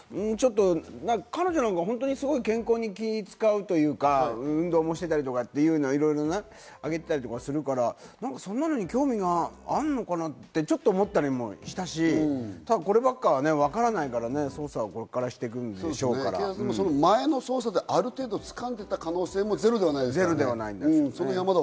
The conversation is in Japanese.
彼女なんか本当にすごく健康に気を使うというか、運動もしてたり、いろいろね、あげてたりするから、そんなものに興味があるのかな？ってちょっと思ったりもしたし、こればっかりはわからないからね、捜査をこれからしていくんでしょ前の捜査である程度、掴んでいた可能性もゼロではないですからね。